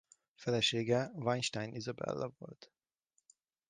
Felesége Weinstein Izabella volt.